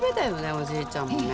おじいちゃんもね。